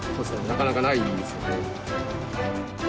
なかなかないですね。